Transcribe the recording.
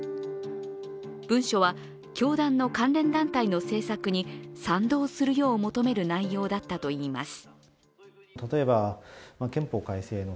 文書は教団の関連団体の政策に賛同するよう求める内容だったといいます。